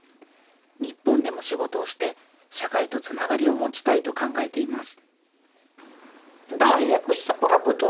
日本でも仕事をして、社会とつながりを持ちたいと考えています。